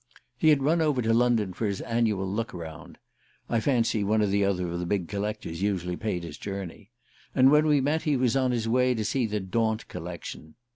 He had run over to London for his annual "look round" I fancy one or another of the big collectors usually paid his journey and when we met he was on his way to see the Daunt collection.